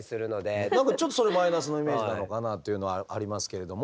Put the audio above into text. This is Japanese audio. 何かちょっとそれマイナスのイメージなのかなっていうのはありますけれども。